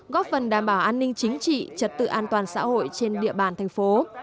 góp phần đảm bảo an ninh chính trị trật tự an toàn xã hội trên địa bàn thành phố